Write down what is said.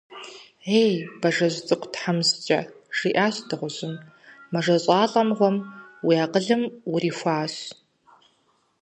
Ей, бажэ цӀыкӀу тхьэмыщкӀэ, – жиӀащ дыгъужьым, – мэжэщӀалӀэ мыгъуэм уи акъылым урихуащ.